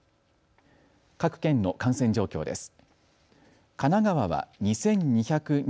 各県の感染状況です。